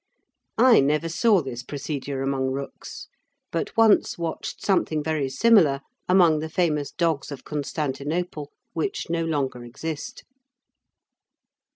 I never saw this procedure among rooks, but once watched something very similar among the famous dogs of Constantinople, which no longer exist.